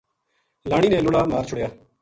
لانی نے لُڑا مار چھُڑیا